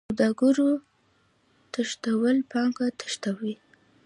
د سوداګرو تښتول پانګه تښتوي.